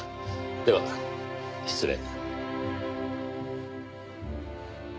では失礼。